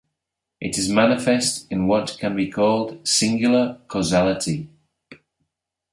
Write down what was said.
It is manifest in what can be called 'singular causality'.